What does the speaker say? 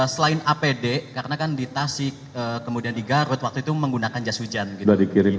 selain apd karena kan di tasik kemudian di garut waktu itu menggunakan jas hujan